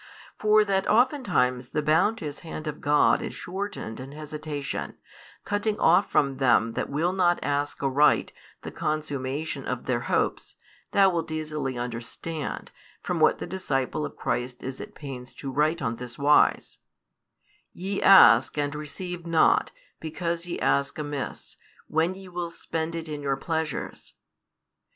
For that oftentimes the bounteous hand of God is shortened in hesitation, cutting off from them that will not ask aright the consummation of their hopes, thou wilt easily understand, from what the disciple of Christ is at pains to write on this wise: Ye ask, and receive not, because ye ask amiss, when ye will spend it in your pleasures.